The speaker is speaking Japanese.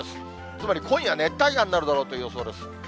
つまり今夜、熱帯夜になるだろうという予想です。